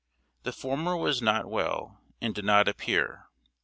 The former was not well, and did not appear.